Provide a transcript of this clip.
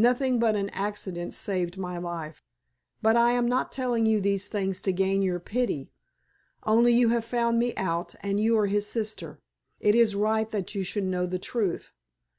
Nothing but an accident saved my life. But I am not telling you these things to gain your pity. Only you have found me out, and you are his sister. It is right that you should know the truth.